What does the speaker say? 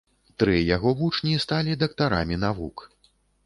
Тры яго вучні сталі дактарамі навук.